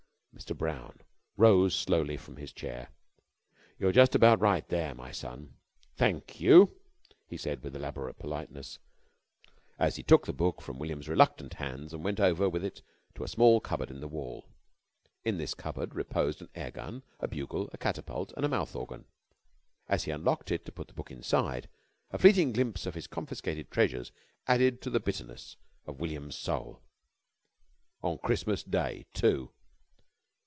'" Mr. Brown rose slowly from his chair. "You're just about right there, my son. Thank you," he said with elaborate politeness, as he took the book from William's reluctant hands and went over with it to a small cupboard in the wall. In this cupboard reposed an airgun, a bugle, a catapult, and a mouth organ. As he unlocked it to put the book inside, the fleeting glimpse of his confiscated treasures added to the bitterness of William's soul. "On Christmas Day, too!"